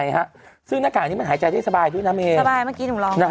และก็ต่างจังหวัดเนี่ยเขาก็ไป